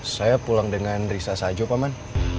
saya pulang dengan risa saja pak man